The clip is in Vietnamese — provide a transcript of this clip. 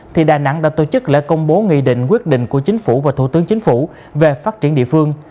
thì đà nẵng đã tổ chức lễ công bố nghị định quyết định của chính phủ và thủ tướng chính phủ về phát triển địa phương